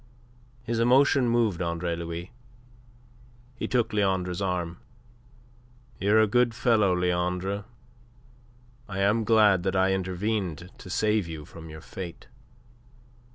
His emotion moved Andre Louis. He took Leandre's arm. "You're a good fellow, Leandre. I am glad I intervened to save you from your fate."